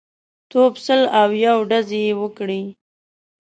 توپ سل او یو ډزې یې وکړې.